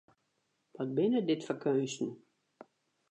Wat binne dit foar keunsten!